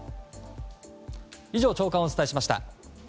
以上、朝刊をお伝えしました。